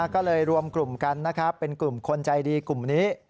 ก็เลยรวมกลุ่มกันนะครับเป็นกลุ่มคนใจดีกลุ่มนี้